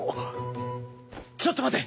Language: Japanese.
ちょっと待て！